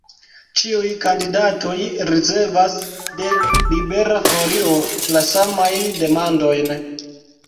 Ĉiuj kandidatoj ricevas de Libera Folio la samajn demandojn.